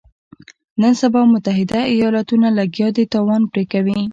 نن سبا متحده ایالتونه لګیا دي تاوان پرې کوي.